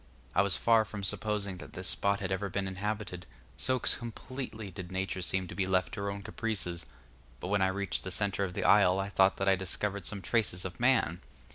I was far from supposing that this spot had ever been inhabited, so completely did Nature seem to be left to her own caprices; but when I reached the centre of the isle I thought that I discovered some traces of man.